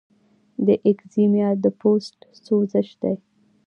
د ایکزیما د پوست سوزش دی.